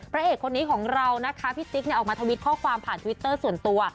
เอกคนนี้ของเรานะคะพี่ติ๊กออกมาทวิตข้อความผ่านทวิตเตอร์ส่วนตัว